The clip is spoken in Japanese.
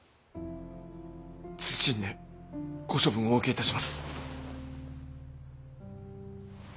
謹んでご処分お受けいたします。